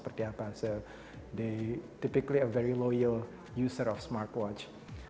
mereka biasanya sangat berhubungan dengan pengguna smartwatch